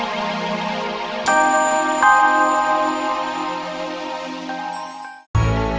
terima kasih juga mas